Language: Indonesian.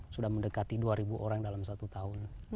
sudah mendekati dua ribu orang dalam satu tahun